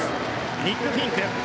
ニック・フィンク。